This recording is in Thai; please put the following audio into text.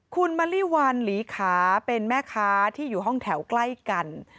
คุณมะลิวันหลีขาเป็นแม่ค้าที่อยู่ห้องแถวใกล้กัน